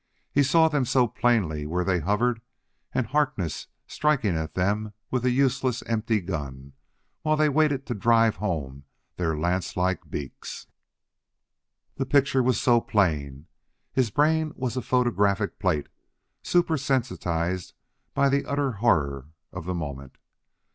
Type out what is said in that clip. He saw them so plainly where they hovered, and Harkness striking at them with a useless, empty gun, while they waited to drive home their lance like beaks. The picture was so plain! His brain was a photographic plate, super sensitized by the utter horror of the moment.